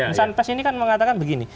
misalnya pes ini kan mengatakan begini